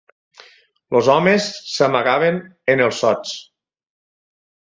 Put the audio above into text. Els homes s'amagaven en els sots